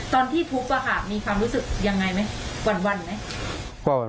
ตอนที่ทุบมีความรู้สึกยังไงไหมวันไหม